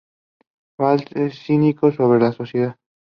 Raffles es cínico sobre la sociedad.